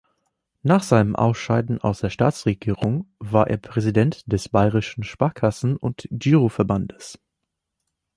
Nach seinem Ausscheiden aus der Staatsregierung war er Präsident des Bayerischen Sparkassen- und Giroverbandes.